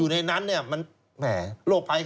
อุ๊ยสารพันธุ์โรคร่ายโรค